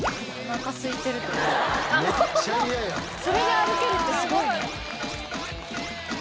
それで歩けるってすごいな。